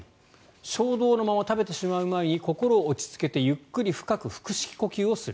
衝動のまま食べてしまう前に心を落ち着けてゆっくり深く腹式呼吸をする。